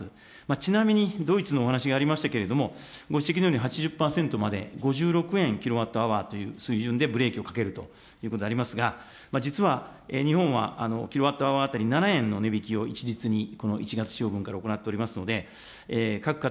ちなみに、ドイツのお話しがありましたけれども、ご指摘のように８０％まで５６円キロワットアワーという水準でブレーキをかけるということでありますが、実は日本はキロワットアワー当たり、７円の値引きを一律にこの１月使用分から行っておりますので、